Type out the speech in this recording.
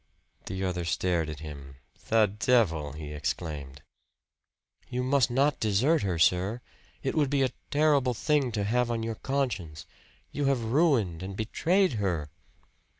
The other stared at him. "The devil!" he exclaimed. "You must not desert her, sir! It would be a terrible thing to have on your conscience. You have ruined and betrayed her."